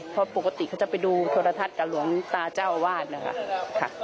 เพราะปกติเขาจะไปดูโทรทัศน์กับหลวงตาเจ้าอาวาสนะคะ